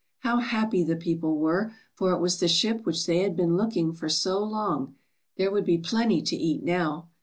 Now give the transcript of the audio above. How happy the people were, for it was the ship which they had been looking for so long. There would be plenty to eat now.